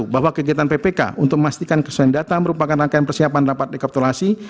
bahwa kegiatan ppk untuk memastikan kesusahan data merupakan rangkaian persiapan rapat rekapitulasi